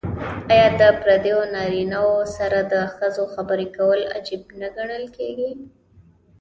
آیا د پردیو نارینه وو سره د ښځو خبرې کول عیب نه ګڼل کیږي؟